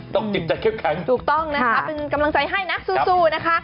จิตใจเข้มแข็งถูกต้องนะคะเป็นกำลังใจให้นะสู้นะคะ